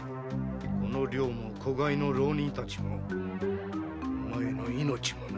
この寮も子飼いの浪人たちもお前の命もな。